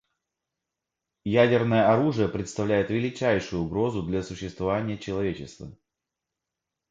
Ядерное оружие представляет величайшую угрозу для существования человечества.